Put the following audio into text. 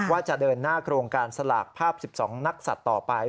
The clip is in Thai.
ว่าจะเดินหน้าโครงการสลากภาพ๑๒นักศัตริย์ต่อไป